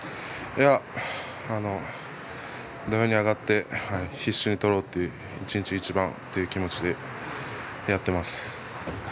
いや土俵に上がって必死に取ろうと思って一日一番という気持ちでやっていました。